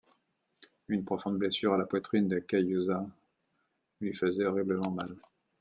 Une profonde blessure à la poitrine de Kazuya lui faisait horriblement mal.